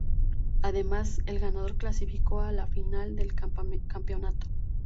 Además el ganador clasificó a la Final del Campeonato.